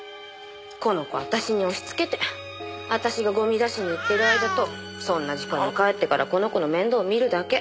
この子私に押しつけて私がゴミ出しに行ってる間とそんな時間に帰ってからこの子の面倒見るだけ。